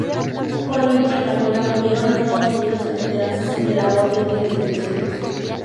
Colina y Varela huyeron a Estados Unidos al enterarse sobre la orden de detención.